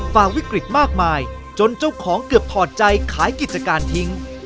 ฝ่าวิกฤตมากมายจนเจ้าของเกือบถอดใจขายกิจการทิ้ง